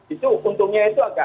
itu untungnya itu agak lumayan